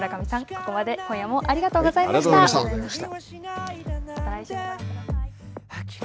ここまで今夜もありがとうございありがとうございました。